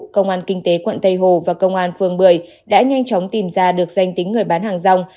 công an kinh tế quận tây hồ và công an phường một mươi đã nhanh chóng tìm ra được danh tính người bán hàng rong